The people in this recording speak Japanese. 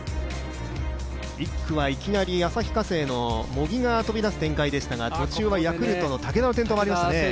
１区はいきなり旭化成の茂木が飛び出す展開でしたが、途中はヤクルトの武田の転倒もありましたね。